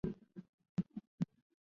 法国路易十四是他的教父。